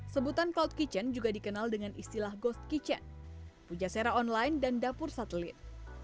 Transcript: sebutan cloud kitchen juga dikenal dengan istilah ghost kitchen pujasera online dan dapur satelit